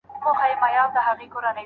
ږیره لرونکی سړی به ډوډۍ او مڼه راوړي.